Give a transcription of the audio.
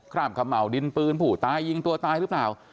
คร่ามขำเหมาดินปืนภูตายยิงตัวตายหรือเปล่า